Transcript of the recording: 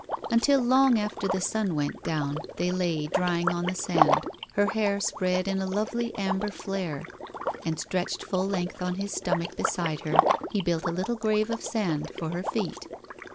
Until long after the sun went down they lay drsring on the sand, her hair spread in a lovely amber flare, and, stretched full length on his stomach beside her, he built a little grave of sand for her feet.